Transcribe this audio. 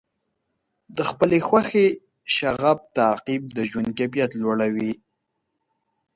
د خپلې خوښې شغف تعقیب د ژوند کیفیت لوړوي.